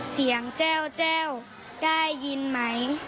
เสียงเจ้าได้ยินไหม